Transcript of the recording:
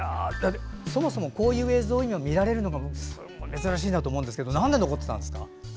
そもそもこういう映像を見られるのが珍しいなと思うんですがなんで残ってたんですか？